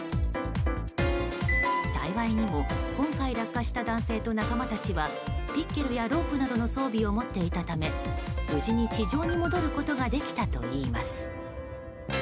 幸いにも今回、落下した男性と仲間たちはピッケルやロープなどの装備を持っていたため無事に地上に戻ることができたといいます。